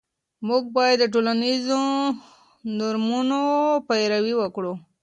موږ باید د ټولنیزو نورمونو پیروي وکړو.